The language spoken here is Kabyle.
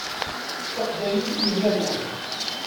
D taqbaylit i d yemma-twen.